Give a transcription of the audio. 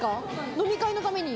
飲み会のために。